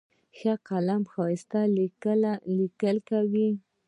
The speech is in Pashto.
ښه قلم ښایسته لیکل کوي.